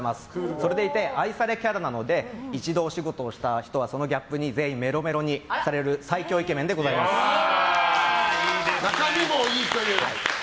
それでいて、愛されキャラなので一度お仕事をした人はそのギャップに全員メロメロにされる中身もいいという。